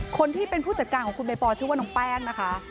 คนที่เป็นผู้จัดการของคุณใบปอลชื่อว่าน้องแป้งนะคะ